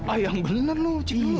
ayang bener lu cikgu